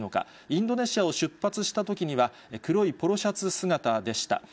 インドネシアを出発したときには、黒いポロシャツ姿でした。